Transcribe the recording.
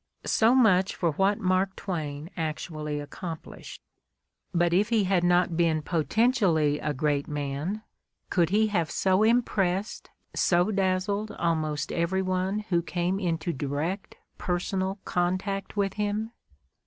'' So much for what Mark Twain actually accomplished. But if he had not been potentially a great man could he have so impressed, so dazzled almost every one who came into direct, personal contact with him?